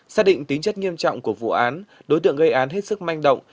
xác định tính chất nghiêm trọng của vụ án đối tượng gây án hết sức manh động